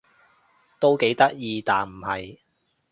都幾得意但唔係